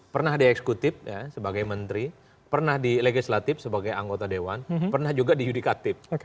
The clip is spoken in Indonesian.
pernah di eksekutif sebagai menteri pernah di legislatif sebagai anggota dewan pernah juga di yudikatif